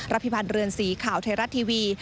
รับพิพันธ์เรือนสีข่าวเทราทีวี